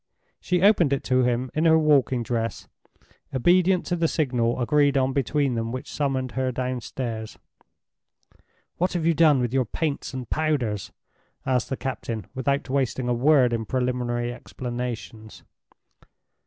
She opened it to him in her walking dress, obedient to the signal agreed on between them which summoned her downstairs. "What have you done with your paints and powders?" asked the captain, without wasting a word in preliminary explanations.